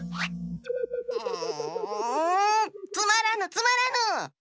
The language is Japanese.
うんつまらぬつまらぬ！